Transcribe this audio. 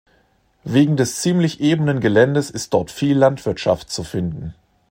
Wegen des ziemlich ebenen Geländes ist dort viel Landwirtschaft zu finden.